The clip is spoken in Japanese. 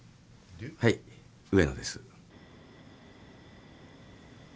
はい植野です。